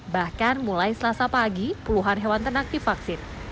bahkan mulai selasa pagi puluhan hewan ternak divaksin